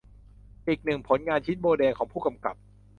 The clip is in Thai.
อีกหนึ่งผลงานชิ้นโบแดงของผู้กำกับ